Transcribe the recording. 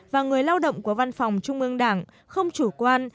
và người lao động của văn phòng trung ương đảng không chủ quan